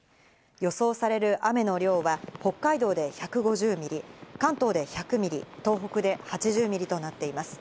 予想される雨の量は北海道で１５０ミリ、関東で１００ミリ、東北で８０ミリとなっています。